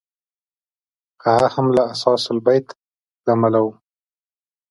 هغه هم له اثاث البیت له امله و.